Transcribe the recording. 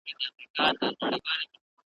پر خپل حال باندي یې وایستل شکرونه .